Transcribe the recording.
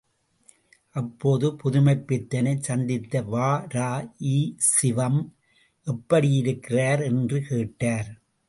அப்போது புதுமைப்பித்தனைச் சந்தித்த வ.ரா., ஈசிவம் எப்படியிருக்கிறார் என்று கேட்டார்.